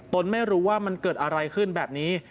ไม่รู้ว่ามันเกิดอะไรขึ้นแบบนี้